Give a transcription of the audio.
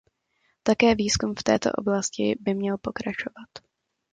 Také výzkum v této oblasti by měl pokračovat.